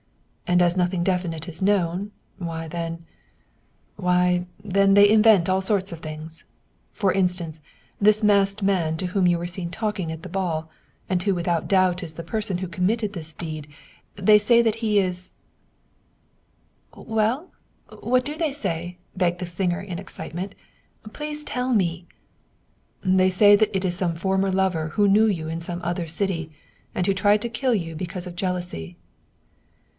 And as nothing definite is known, why then why then, they invent all sorts of things. For instance, this masked man to whom you were seen talking at the ball, and who without doubt is the person who committed this deed, they say that he is "" Well, what do they say ?" begged the singer in excite ment. " Please tell me." " They say that it is some former lover who knew you in some other city, and who tried to kill you because of jealousy."